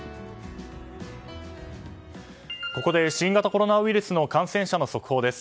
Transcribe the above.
ここで新型コロナウイルスの感染者の速報です。